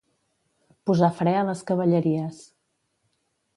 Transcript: Posar fre a les cavalleries.